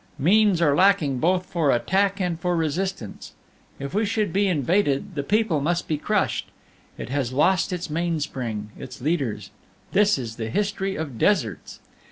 Means are lacking both for attack and for resistance. If we should be invaded, the people must be crushed; it has lost its mainspring its leaders. This is the history of deserts!